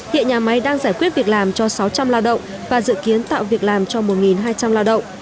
hiện nhà máy đang giải quyết việc làm cho sáu trăm linh lao động và dự kiến tạo việc làm cho một hai trăm linh lao động